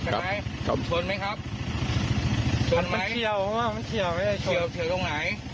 ครับครับชนไหมครับชนไหมมันเฉียวมันเฉียวมันเฉียวตรงไหน